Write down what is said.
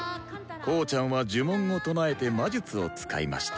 「コウちゃんは呪文を唱えて魔術を使いました」。